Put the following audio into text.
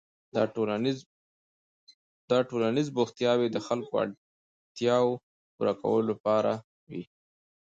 دا ټولنیز بوختیاوې د خلکو د اړتیاوو پوره کولو لپاره وې.